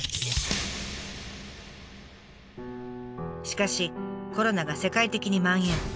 しかしコロナが世界的にまん延。